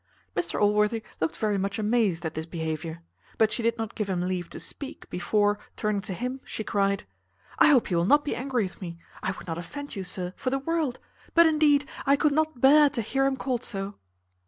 Mr Allworthy looked very much amazed at this behaviour. But she did not give him leave to speak, before, turning to him, she cried, "I hope you will not be angry with me; I would not offend you, sir, for the world; but, indeed, I could not bear to hear him called so."